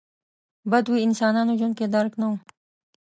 بدوي انسانانو ژوند کې درک نه و.